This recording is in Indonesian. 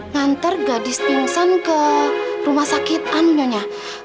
ngantar gadis pingsan ke rumah sakitan nyonya